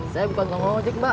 saya bukan toko ojek mbak